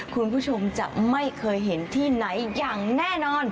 คุณผู้ชมจะไม่เคยเห็นที่ไหนอย่างแน่นอน